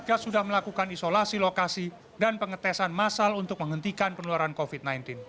satgas sudah melakukan isolasi lokasi dan pengetesan masal untuk menghentikan penularan covid sembilan belas